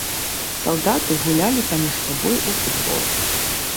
Салдаты гулялі паміж сабой у футбол.